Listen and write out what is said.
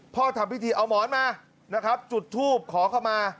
ทำพิธีเอาหมอนมานะครับจุดทูบขอเข้ามา